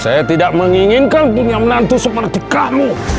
saya tidak menginginkan punya menantu seperti kamu